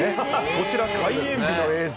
こちら、開園日の映像。